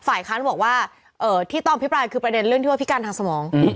ค้านบอกว่าที่ต้องอภิปรายคือประเด็นเรื่องที่ว่าพิการทางสมอง